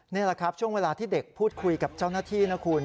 นี่แหละครับช่วงเวลาที่เด็กพูดคุยกับเจ้าหน้าที่นะคุณ